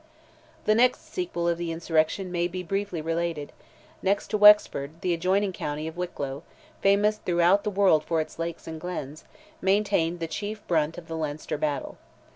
The sequel of the insurrection may be briefly related: next to Wexford, the adjoining county of Wicklow, famous throughout the world for its lakes and glens, maintained the chief brunt of the Leinster battle.